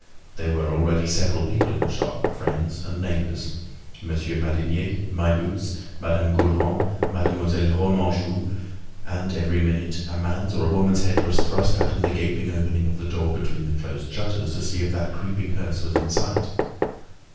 There were already several people in the shop, friends and neighbors—Monsieur Madinier, My Boots, Madame Gaudron, Mademoiselle Remanjou; and every minute, a man's or a woman's head was thrust out of the gaping opening of the door between the closed shutters, to see if that creeping hearse was in sight.